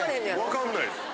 わかんないです。